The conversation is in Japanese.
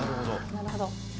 なるほど。